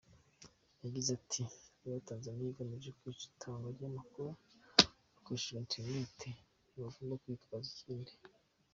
Yagize ati “Niba Tanzania igamije kwica itangwa ry’amakuru hakoreshejwe internet, ntibagomba kwitwaza ikindi.